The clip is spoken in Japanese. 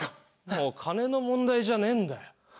もう金の問題じゃねえんだよ。